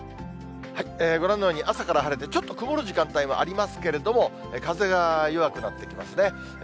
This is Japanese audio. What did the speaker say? ご覧のように、朝から晴れて、ちょっと曇る時間帯もありますけれども、風が弱くなってきますね。